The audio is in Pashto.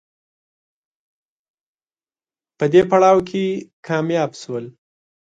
په دې پړاو کې کامیاب شول